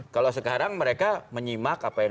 kalau sekarang mereka menyimak apa yang